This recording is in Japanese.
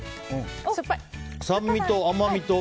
酸味と甘みと。